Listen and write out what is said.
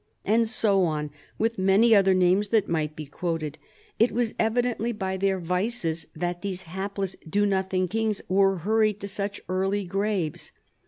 And so on with many other names that might be quoted. It was evidently by their vices that these hapless " do nothing " kings were hurried to such early graves.